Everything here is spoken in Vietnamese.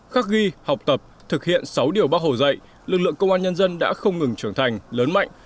khắc ghi học tập thực hiện sáu điều bác hồ dạy lực lượng công an nhân dân đã không ngừng trưởng thành lớn mạnh